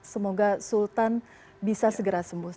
semoga sultan bisa segera sembuh